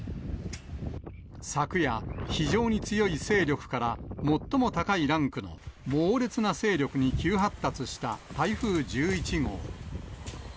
昨夜、非常に強い勢力から、最も高いランクの猛烈な勢力に急発達した台風１１号。